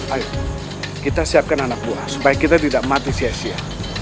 ayo kita siapkan anak buah supaya kita tidak mati sia sia